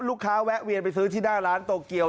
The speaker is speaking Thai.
แวะเวียนไปซื้อที่หน้าร้านโตเกียว